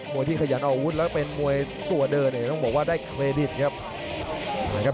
มวยที่ขยันออกอาวุธแล้วเป็นมวยตัวเดินเองต้องบอกว่าได้เครดิตครับ